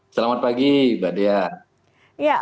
selamat pagi mbak dea